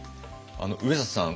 上里さん